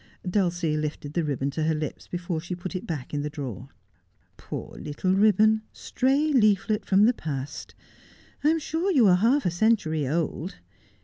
Dulcie lifted the ribbon to her lips before she put it back in the drawer. ' Poor little ribbon, stray leaflet from the past. I am sure you are half a century old.